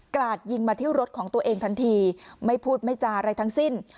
ราดยิงมาที่รถของตัวเองทันทีไม่พูดไม่จาอะไรทั้งสิ้น